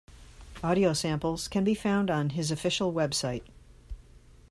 Audio samples can be found on his official website.